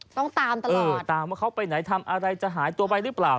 ต้องตามตลอดตามว่าเขาไปไหนทำอะไรจะหายตัวไปหรือเปล่า